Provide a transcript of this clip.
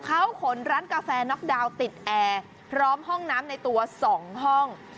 เขาขนร้านกาแฟน็อกดาวน์ติดแอร์พร้อมห้องน้ำในตัว๒ห้อง